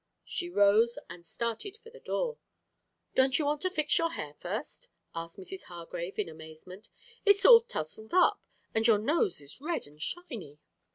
She rose and started for the door. "Don't you want to fix your hair first?" asked Mrs. Hargrave in amazement. "It is all tousled up, and your nose is red and shiny."